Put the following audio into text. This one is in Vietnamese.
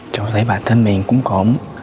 cháu thấy bản thân mình cũng có